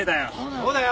そうだよ！